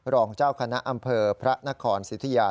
รองเจ้าคณะอำเภอพระนครสิทธิยา